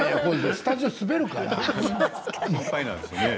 スタジオは滑るからね。